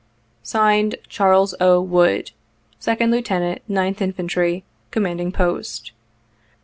[Signed] " CHARLES 0. WOOD, '' Second Lieutenant, 9th Infantry, '' Commanding Post.